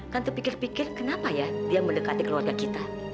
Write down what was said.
kan terpikir pikir kenapa ya dia mendekati keluarga kita